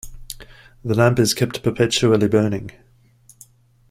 The lamp is kept perpetually burning.